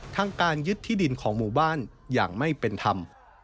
ทั้งการยึดที่ดินของหมู่บ้านอย่างไม่เป็นธรรม